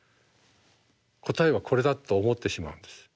答えはこれだと思ってしまうんです。